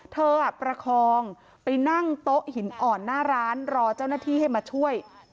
ประคองไปนั่งโต๊ะหินอ่อนหน้าร้านรอเจ้าหน้าที่ให้มาช่วย